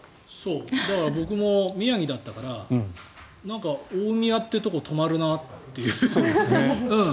だから僕も宮城だったから大宮っていうところに止まるなっていう。